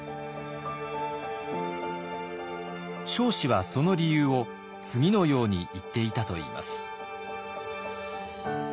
彰子はその理由を次のように言っていたといいます。